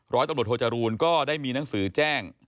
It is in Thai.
ร้อยตำรวจโทจรูลก็ได้มีหนังสือแจ้ง